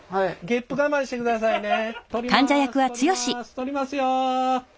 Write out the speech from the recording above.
ゲップ我慢してくださいね。